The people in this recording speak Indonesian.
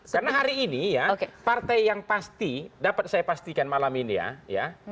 karena hari ini ya partai yang pasti dapat saya pastikan malam ini ya